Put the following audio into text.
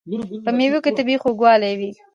په مېوو کې طبیعي خوږوالی وي.